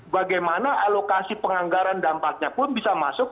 bagaimana alokasi penganggaran dampaknya pun bisa masuk